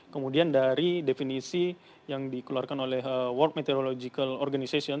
kemudian dari definisi yang dikeluarkan oleh world meteorological organization